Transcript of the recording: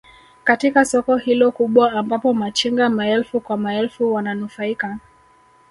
katika soko hilo kubwa ambapo machinga maelfu kwa maelfu wananufaika